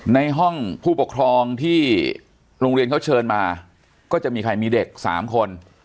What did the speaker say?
ในห้องผู้ปกครองที่โรงเรียนเขาเชิญมาก็จะมีใครมีเด็ก๓คน